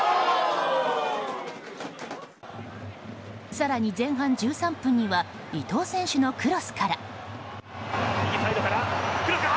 更に前半１３分には伊東選手のクロスから。